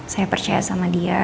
saya percaya sama dia